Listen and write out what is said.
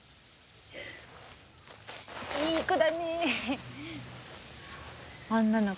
いい子だね。